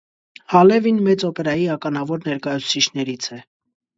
Հալևին մեծ օպերայի ականավոր ներկայացուցիչներից է։